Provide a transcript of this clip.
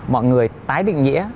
mọi người tái định nghĩa